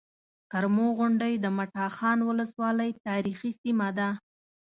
کرمو غونډۍ د مټاخان ولسوالۍ تاريخي سيمه ده